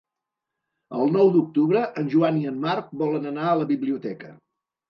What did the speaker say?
El nou d'octubre en Joan i en Marc volen anar a la biblioteca.